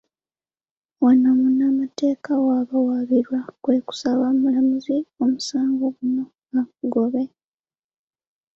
Wano munnamateeka w'abawawaabirwa kwe kusaba omulamuzi omusango guno agugobe.